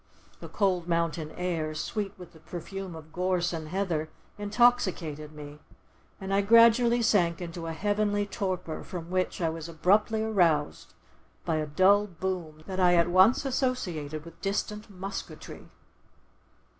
The cold mountain air, sweet with the perfume of gorse and heather, intoxicated me, and I gradually sank into a heavenly torpor, from which I was abruptly aroused by a dull boom, that I at once associated with distant musketry.